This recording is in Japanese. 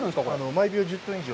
毎秒１０トン以上。